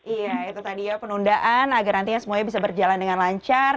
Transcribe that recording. iya itu tadi ya penundaan agar nantinya semuanya bisa berjalan dengan lancar